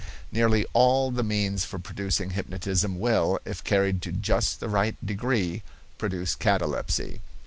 Nearly all the means for producing hypnotism will, if carried to just the right degree, produce catalepsy.